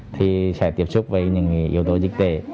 thì sẽ tiếp xúc với những yếu tố dịch tễ